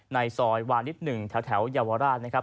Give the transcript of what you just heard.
ในซอยวานิด๑แถวเยาวราชนะครับ